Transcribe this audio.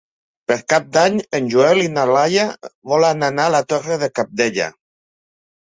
Per Cap d'Any en Joel i na Laia volen anar a la Torre de Cabdella.